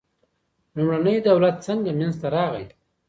لومړنی دولت څنګه منځ ته راغی.